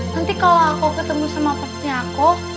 nanti kalau aku ketemu sama paksanya aku